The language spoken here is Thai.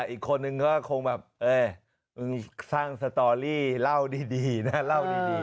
อีกคนหนึ่งก็คงแบบเอ๊ะสร้างสตอรี่เล่าดีนะ